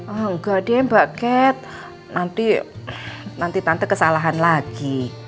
oh enggak deh mbak cat nanti tante kesalahan lagi